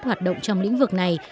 hoạt động trong lĩnh vực này